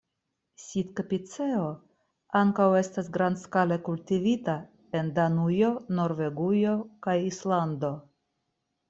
Sitka-piceo ankaŭ estas grandskale kultivita en Danujo, Norvegujo kaj Islando.